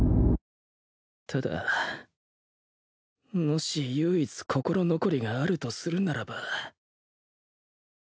ただもし唯一心残りがあるとするならば